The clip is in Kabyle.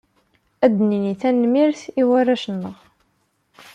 Ad nini tanemmirt i warrac-nneɣ!